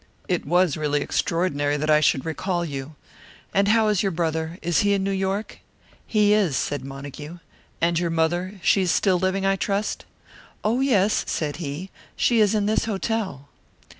"It was really extraordinary that I should recall you. And how is your brother? Is he in New York?" "He is," said Montague. "And your mother? She is still living, I trust?" "Oh, yes," said he. "She is in this hotel."